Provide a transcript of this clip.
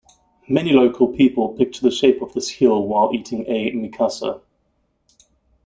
Many local people picture the shape of this hill while eating a "mikasa".